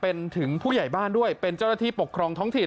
เป็นถึงผู้ใหญ่บ้านด้วยเป็นเจ้าหน้าที่ปกครองท้องถิ่น